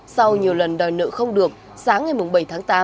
sau nhiều lần đòi nợ không được sáng ngày bảy tháng tám